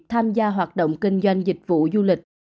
tham gia hoạt động kinh doanh dịch vụ du lịch